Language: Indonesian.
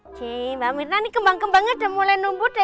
oke mbak mirna ini kembang kembangnya udah mulai nunggu